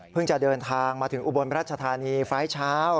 เพิ่งจะเดินทางมาถึงอุบลพระราชธานีไฟล์เช้า